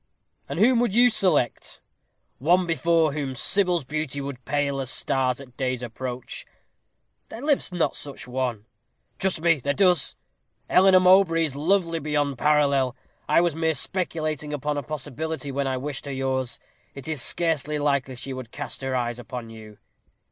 "And whom would you select?" "One before whom Sybil's beauty would pale as stars at day's approach." "There lives not such a one." "Trust me there does. Eleanor Mowbray is lovely beyond parallel. I was merely speculating upon a possibility when I wished her yours it is scarcely likely she would cast her eyes upon you."